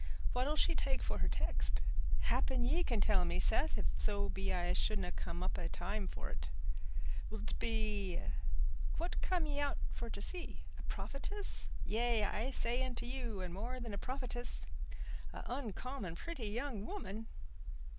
What'll she take for her text? Happen ye can tell me, Seth, if so be as I shouldna come up i' time for't. Will't be—what come ye out for to see? A prophetess? Yea, I say unto you, and more than a prophetess—a uncommon pretty young woman."